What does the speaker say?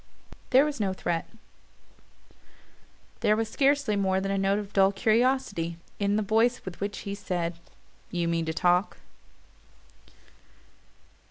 But there was no threat there was scarcely more than a note of dull curiosity in the voice with which he said: "You mean to talk?"